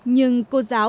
nhưng cô giáo